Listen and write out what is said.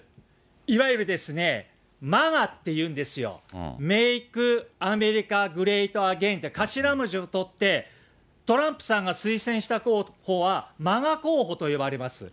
いわゆるマガっていうんですよ、メーク・アメリカ・グレート・アゲインって頭文字を取って、トランプさんが推薦した候補は７候補といわれます。